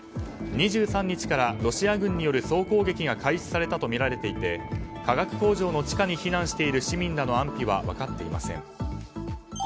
２３日からロシア軍による総攻撃が開始されたとみられていて化学工場の地下に避難している市民らの安否は分かっていません。